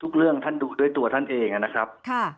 ทุกเรื่องท่านดูด้วยตัวท่านเองนะครับ